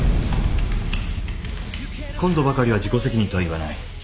今度ばかりは自己責任とは言わない。